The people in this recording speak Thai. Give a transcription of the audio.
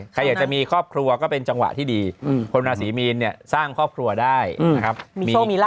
เขาเป็นแฟนใคร